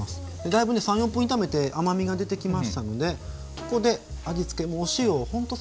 だいぶね３４分炒めて甘みが出てきましたのでここで味付けお塩をほんと少しだけパラッと。